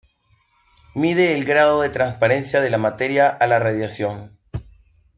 Mide el grado de transparencia de la materia a la radiación.